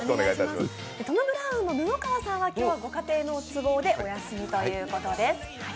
トム・ブラウンの布川さんは今日、ご家庭の都合でお休みということです。